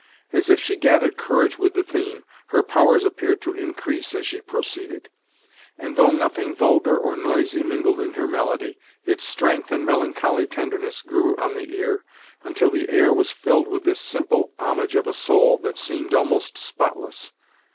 As if she gathered courage with the theme, her powers appeared to increase as she proceeded; and though nothing vulgar or noisy mingled in her melody, its strength and melancholy tenderness grew on the ear, until the air was filled with this simple homage of a soul that seemed almost spotless.